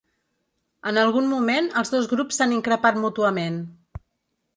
En algun moment els dos grups s’han increpat mútuament.